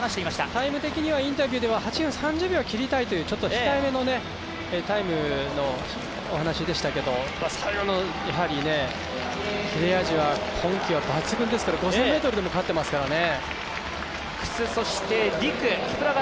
タイム的には８分３０秒は切りたいという控えめのタイムのお話でしたけど最後の切れ味は今季は抜群ですから５０００ｍでも勝ってますからね。